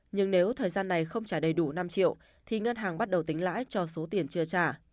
nhưng nếu thời gian này không trả đầy đủ năm triệu thì ngân hàng bắt đầu tính lãi cho số tiền chưa trả